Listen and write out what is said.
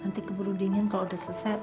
nanti keburu dingin kalau udah selesai